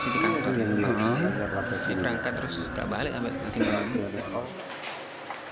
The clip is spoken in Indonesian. diberangkat terus gak balik sampai kembali